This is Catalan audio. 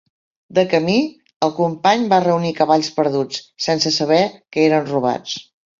De camí, el company va reunir cavalls perduts, sense saber que eren robats.